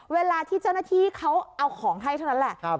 เวลาที่เจ้าหน้าที่เขาเอาของให้เท่านั้นแหละ